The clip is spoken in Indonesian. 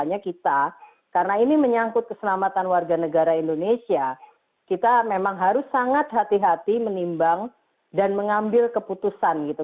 makanya kita karena ini menyangkut keselamatan warga negara indonesia kita memang harus sangat hati hati menimbang dan mengambil keputusan gitu